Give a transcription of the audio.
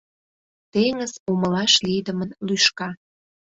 Теҥыз умылаш лийдымын лӱшка.